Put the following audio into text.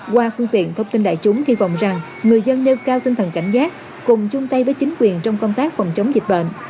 qua phương tiện thông tin đại chúng hy vọng rằng người dân nêu cao tinh thần cảnh giác cùng chung tay với chính quyền trong công tác phòng chống dịch bệnh